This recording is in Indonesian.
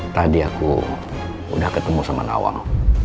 tadi aku udah ketemu sama nawang